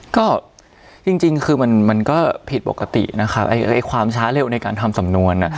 ก็จริงคือมันก็ผิดปกตินะครับความช้าเร็วในการทำสำนวน